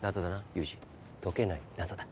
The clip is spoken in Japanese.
ユージ「解けない謎」だ。